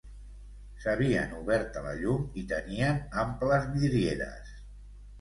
S'havien obert a la llum i tenien amples vidrieres